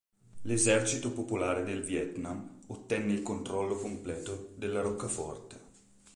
L'Esercito Popolare del Vietnam ottenne il controllo completo della roccaforte.